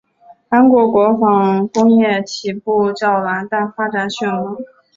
韩国国防工业起步较晚但发展迅猛。